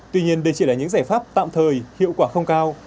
tuy nhiên đây chỉ là những giải pháp tạm thời hiệu quả không cao